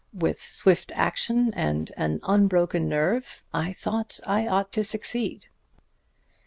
With swift action and an unbroken nerve, I thought I ought to succeed."